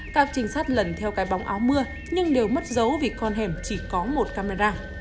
các trinh sát lần theo cái bóng áo mưa nhưng đều mất dấu vì con hẻm chỉ có một camera